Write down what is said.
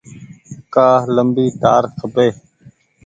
ڪآ ليمبي تآر کپي ڇي۔